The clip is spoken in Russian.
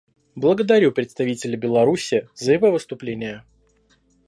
Благодарю представителя Беларуси за его выступление.